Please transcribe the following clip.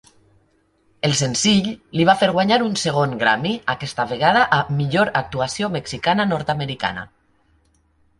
El senzill li va fer guanyar un segon Grammy, aquesta vegada a Millor actuació mexicana-nord-americana.